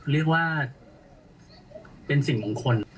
เรียกว่าเป็นสิ่งมงคล